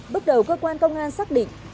bước đầu cơ quan công an xác định